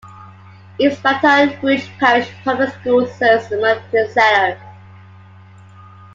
East Baton Rouge Parish Public Schools serves Monticello.